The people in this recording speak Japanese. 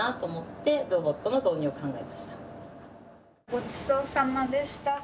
ごちそうさまでした。